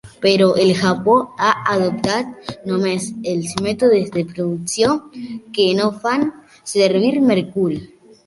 Però el Japó ha adoptat només els mètodes de producció que no fan servir mercuri.